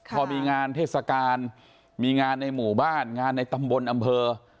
พอมีงานเทศกาลมีงานในหมู่บ้านงานในตำบลอำเภอ